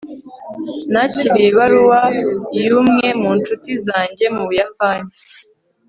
nakiriye ibaruwa y'umwe mu ncuti zanjye mu buyapani